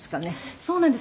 そうなんです。